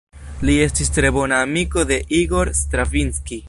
Li estis tre bona amiko de Igor Stravinski.